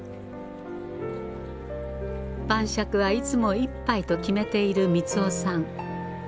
晩酌はいつも１杯と決めている三男さん。